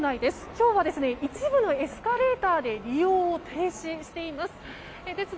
今日は一部のエスカレーターで利用を停止しています。